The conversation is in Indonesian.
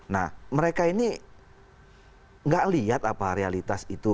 nah mereka ini gak lihat apa realitas itu